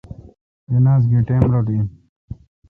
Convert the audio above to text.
جناز گہ ٹئم رل این۔